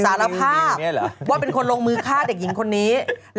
สารภาพว่าเป็นคนลงมือฆ่าเด็กหญิงคนนี้